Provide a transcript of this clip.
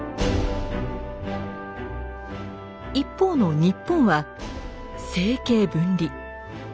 一方の日本は「政経分離」。